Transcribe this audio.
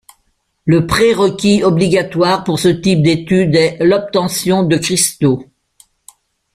Le pré-requis obligatoire pour ce type d'étude est l'obtention de cristaux.